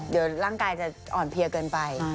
เดี๋ยวร่างกายจะอ่อนเพลียเกินไป